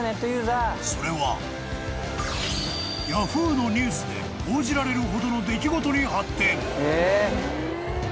［それはヤフーのニュースで報じられるほどの出来事に発展］